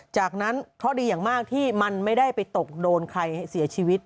จากนั้นเคราะห์ดีอย่างมากที่มันไม่ได้ไปตกโดนใครเสียชีวิต